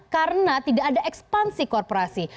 karena tidak ada ekspansi korporasi